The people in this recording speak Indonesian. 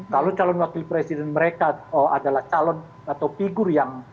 kalau calon wakil presiden mereka adalah calon atau figur yang